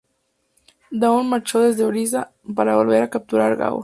Daud marchó desde Orissa para volver a capturar Gaur.